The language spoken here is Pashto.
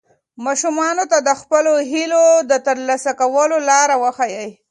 ماشومانو ته د خپلو هیلو د ترلاسه کولو لار وښایئ.